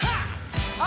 あ！